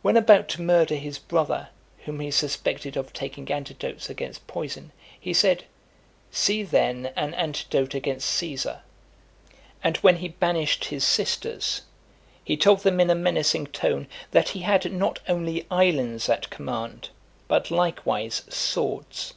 When about to murder his brother, whom he suspected of taking antidotes against poison, he said, "See then an antidote against Caesar!" And when he banished his sisters, he told them in a menacing tone, that he had not only islands at command, but likewise swords.